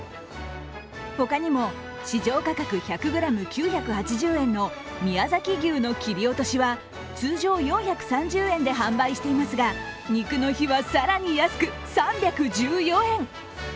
他にも市場価格１００ｇ９８０円の宮崎牛の切り落としは通常４３０円で販売していますが、肉の日は更に安く３１４円。